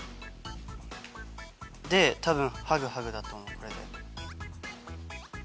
で多分ハグハグだと思う。